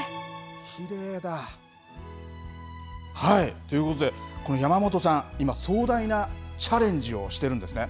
きれいだ。ということで、この山本さん、今、壮大なチャレンジをしてるんですね。